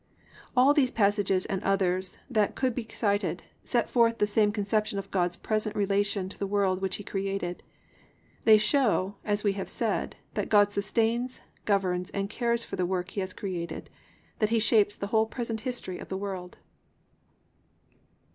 "+ All these passages and others that could be cited, set forth the same conception of God's present relation to the world which He has created. They show, as we have said, that God sustains, governs and cares for the work He has created; that He shapes the whole present history of the world.